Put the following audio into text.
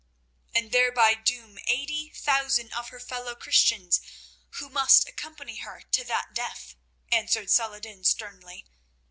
"And thereby doom eighty thousand of her fellow Christians, who must accompany her to that death," answered Saladin sternly.